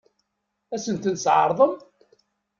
Ad sen-ten-tɛeṛḍem?